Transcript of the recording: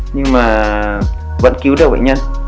nhưng mà vẫn cứu được bệnh nhân